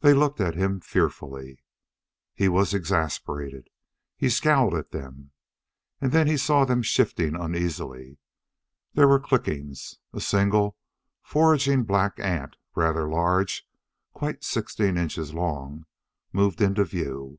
They looked at him fearfully. He was exasperated. He scowled at them. And then he saw them shifting uneasily. There were clickings. A single, foraging black ant rather large, quite sixteen inches long moved into view.